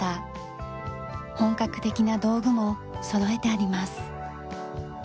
本格的な道具もそろえてあります。